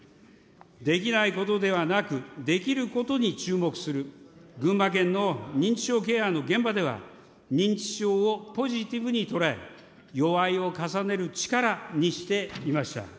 できないことではなく、できることに注目する、群馬県の認知症ケアの現場では、認知症をポジティブに捉え、よわいを重ねる力にしていました。